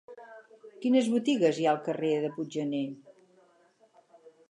Quines botigues hi ha al carrer de Puiggener?